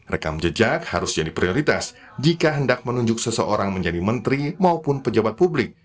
rekam jejak harus jadi prioritas jika hendak menunjuk seseorang menjadi menteri maupun pejabat publik